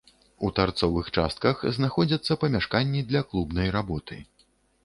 У тарцовых частках знаходзяцца памяшканні для клубнай работы.